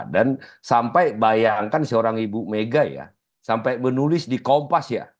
dan sampai bayangkan seorang ibu megai ya sampai menulis di kompas ya